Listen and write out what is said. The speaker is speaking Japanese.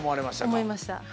思いました。